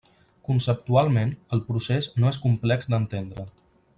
Conceptualment, el procés no és complex d'entendre.